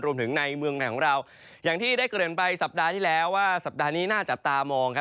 รวมถึงในเมืองไทยของเราอย่างที่ได้เกริ่นไปสัปดาห์ที่แล้วว่าสัปดาห์นี้น่าจับตามองครับ